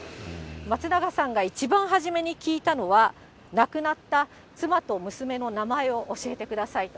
松永さんが一番初めに聞いたのは、亡くなった妻と娘の名前を教えてくださいと。